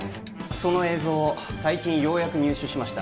その映像を最近ようやく入手しました